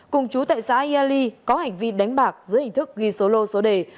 cùng chú tại xã yali có hành vi đánh bạc dưới hình thức ghi số lô số đề